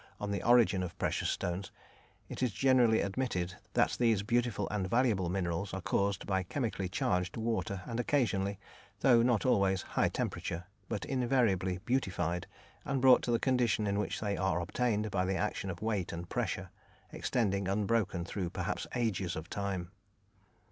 on "the Origin of Precious Stones," it is generally admitted that these beautiful and valuable minerals are caused by chemically charged water and occasionally, though not always, high temperature, but invariably beautified and brought to the condition in which they are obtained by the action of weight and pressure, extending unbroken through perhaps ages of time.